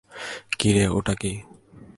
কি রে ওটা কী?